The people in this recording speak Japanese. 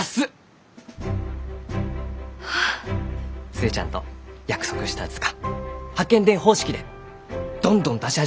寿恵ちゃんと約束した図鑑八犬伝方式でどんどん出し始めるき。